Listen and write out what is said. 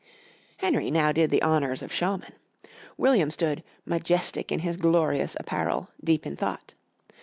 Henry now did the honours of showman. William stood, majestic in his glorious apparel, deep in thought.